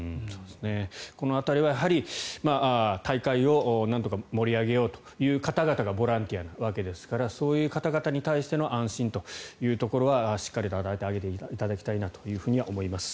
この辺りは大会をなんとか盛り上げようという方々がボランティアなわけですからそういう方々に対しての安心というところはしっかりと与えてあげていただきたいなとは思います。